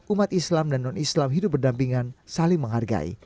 umat islam dan non islam hidup berdampingan saling menghargai